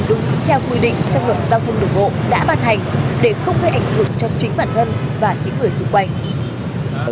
để không gây ảnh hưởng cho chính bản thân và những người xung quanh